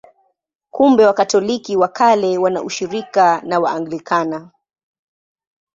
Kumbe Wakatoliki wa Kale wana ushirika na Waanglikana.